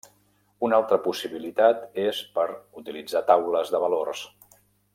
Una altra possibilitat és per utilitzar taules de valors.